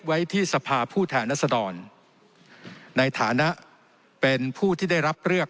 ไว้ที่สภาผู้แทนรัศดรในฐานะเป็นผู้ที่ได้รับเลือก